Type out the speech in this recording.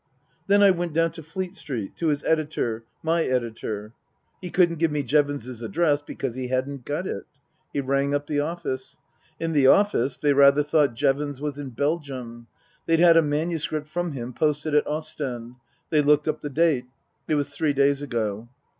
Then I went down to Fleet Street, to his editor, my Book I : My Book 57 editor. He couldn't give me Jevons's address because he hadn't got it. He rang up the office. In the office they rather thought Jevons was in Belgium. They'd had a manuscript from him posted at Ostend. They looked up the date. It was three days ago.